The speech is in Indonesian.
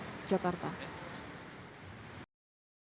jangan lupa like share dan subscribe ya